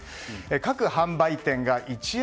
各販売店が１円